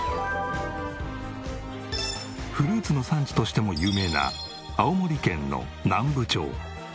フルーツの産地としても有名な青森県の南部町。